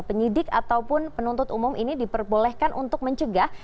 penyidik ataupun penuntut umum ini diperbolehkan untuk mencegah